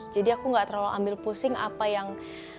jadi aku gak terlalu ambil pusing apa yang